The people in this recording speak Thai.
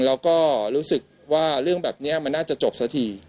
แล้วก็รู้สึกว่าเรื่องแบบนี้มันน่าจะจบสักที